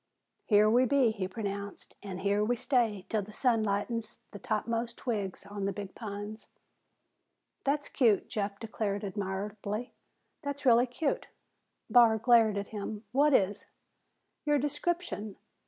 "Here we be," he pronounced, "an' here we stay 'til the sun lightens the topmost twigs on the big pines." "That's cute," Jeff declared admiringly. "That's really cute!" Barr glared at him. "What is?" "Your description.